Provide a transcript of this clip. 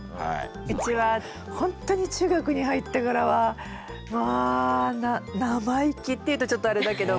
うちはほんとに中学に入ってからはまあ生意気っていうとちょっとあれだけども。